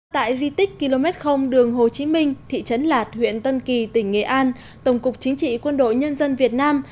tại di tích km đường hồ chí minh thị trấn lạt huyện tân kỳ tỉnh nghệ an tổng cục chính trị quân đội nhân dân việt nam